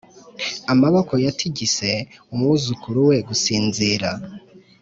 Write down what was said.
amaboko yatigise umwuzukuru we gusinzira,